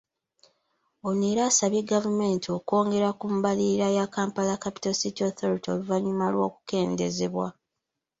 Ono era asabye gavumenti okwongera ku mbalirira ya Kampala Capital City Authority oluvannyuma lw’okukendeezebwa .